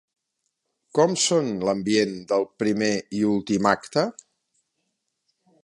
Com són l'ambient del primer i últim acte?